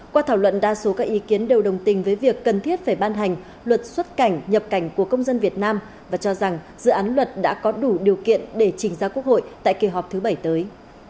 qua thảo luận đa số các ý kiến đều đồng tình với việc cần thiết phải ban hành luật xuất cảnh nhập cảnh của công dân việt nam và cho rằng dự án luật đã có đủ điều kiện để trình ra quốc hội tại kỳ họp thứ bảy tới